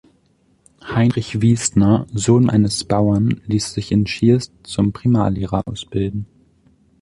Heinrich Wiesner, Sohn eines Bauern, ließ sich in Schiers zum Primarlehrer ausbilden.